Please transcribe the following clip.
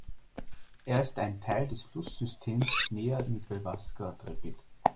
Er ist ein Teil des Flusssystems Nea-Nidelvvassdraget.